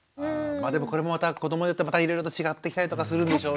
これもまた子どもによっていろいろと違ってきたりとかするんでしょうね。